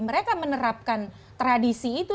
mereka menerapkan tradisi itu